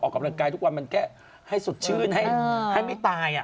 ออกกำลังกายทุกวันมันแค่ให้สดชื่นให้ไม่ตาย